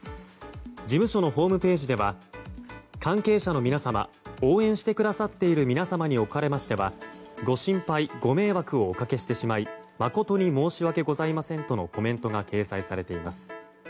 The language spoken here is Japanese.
事務所のホームページでは関係者の皆様応援してくださっている皆様におかれましてはご心配、ご迷惑をおかけしてしまい誠に申し訳ございませんとのコメントが掲載されています。